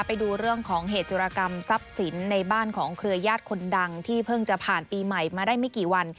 ไปดูเรื่องของเหตุจุรกรรมทรัพย์สินในบ้านของเครือญาติคนดังที่เพิ่งจะผ่านปีใหม่มาได้ไม่กี่วัน